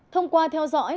thông qua theo dõi